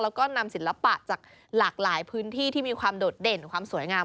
แล้วก็นำศิลปะจากหลากหลายพื้นที่ที่มีความโดดเด่นความสวยงาม